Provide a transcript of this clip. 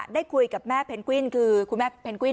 ได้คุยกับแม่เพนกวินคือคุณแม่เพนกวิน